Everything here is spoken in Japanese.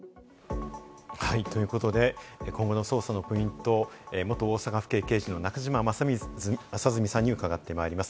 ということで今後の捜査のポイントを元大阪府警刑事の中島正純さんに伺ってまいります。